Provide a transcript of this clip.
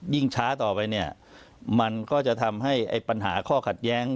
ช้าต่อไปเนี่ยมันก็จะทำให้ปัญหาข้อขัดแย้ง